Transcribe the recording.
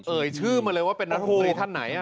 เอ่ยชื่อมาเลยว่าเป็นรัฐมนตรีท่านไหน